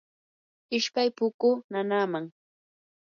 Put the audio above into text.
ishpay pukuu nanaaman.